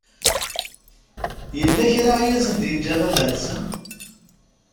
Yella kra i asen-d-yeǧǧa baba-tsen?